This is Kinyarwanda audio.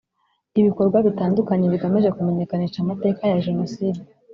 Ibikorwa bitandukanye bigamije kumenyekanisha amateka ya Jenoside